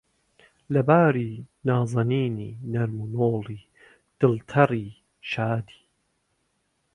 لەباری، نازەنینی، نەرم و نۆڵی، دڵتەڕی، شادی